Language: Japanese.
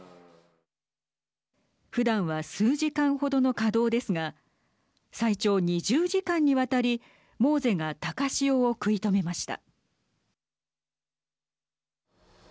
ふだんは数時間程の稼働ですが最長２０時間にわたりＭｏＳＥが高潮を食い止めました。